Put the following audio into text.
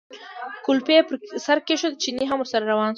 کولپۍ یې پر سر کېښوده، چيني هم ورسره روان شو.